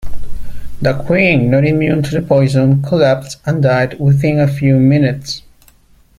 The queen not immune to the poison collapsed and died within a few minutes.